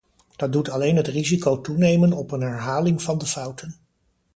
Dat doet alleen het risico toenemen op een herhaling van de fouten.